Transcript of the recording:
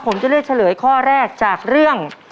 ผมจะเลือกเฉลยข้อแรกจากเรื่อง